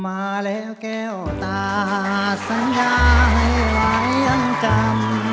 มาแล้วแก้วตาสัญญาให้ไว้ยังจำ